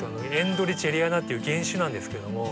エンドリチェリアナっていう原種なんですけど。